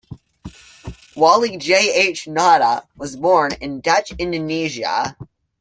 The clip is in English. Walle J. H. Nauta was born in Dutch Indonesia.